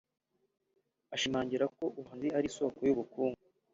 Ashimangira ko ubuhanzi ari isoko y’ubukungu